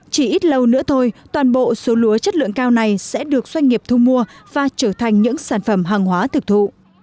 chỉ ít lâu nữa thôi toàn bộ số lúa chất lượng cao này sẽ được doanh nghiệp thu mua và trở thành những sản phẩm hàng hóa thực thụ